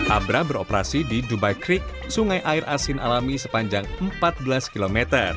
abra beroperasi di dubai krik sungai air asin alami sepanjang empat belas km